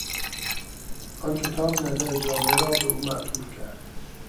آن کتاب نظر جامعه را به او معطوف کرد.